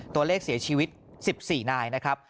ตัวเลขเสียชีวิต๑๔นายนะครับ